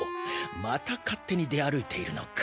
また勝手に出歩いているのか。